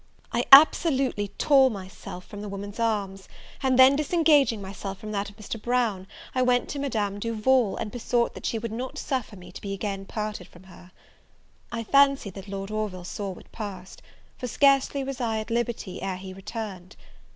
I absolutely tore myself from the woman's arms; and then, disengaging myself from that of Mr. Brown, I went to Madame Duval, and besought that she would not suffer me to be again parted from her. I fancy that Lord Orville saw what passed; for scarcely was I at liberty, ere he returned.